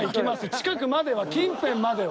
近くまでは近辺までは。